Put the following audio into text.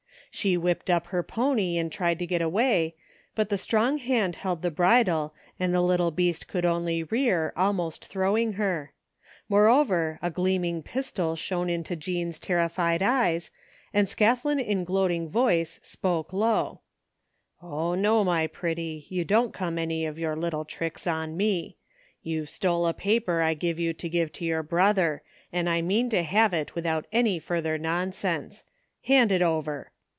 She whipped up her pony and tried to get away, but the strong hand held the bridle and the little beast could only rear, almost throwing her. Moreover, a gleaming pistol shone into Jean's terrified tyts, and Scathlin in gloating voice spoke low :" Oh, no, my pretty, you don't come any of j^our little tricks on me. YouVe stole a paper I give you to give to your brother, an' I mean to have it without any further nonsense. Hand it over